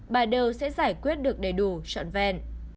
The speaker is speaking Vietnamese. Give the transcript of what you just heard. bà đều sẽ giải quyết được đầy đủ trọn vẹn